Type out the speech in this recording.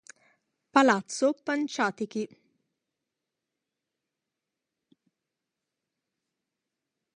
Palazzo Panciatichi